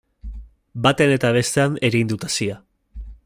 Batean eta bestean erein dut hazia.